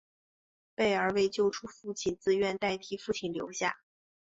贝儿为救出父亲自愿代替父亲留下。